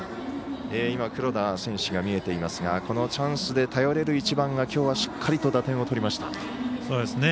今、黒田選手が見えていますがこのチャンスで頼れる１番がきょうは、しっかりと打点をとりました。